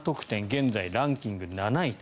現在、ランキング７位。